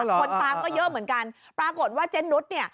คนตามก็เยอะเหมือนกันปรากฏว่าเจนุสเนี่ย